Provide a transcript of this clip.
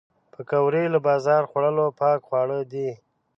پکورې له بازار خوړو پاک خواړه دي